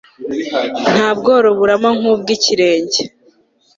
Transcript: nta bworo burama nkubwo ikirenge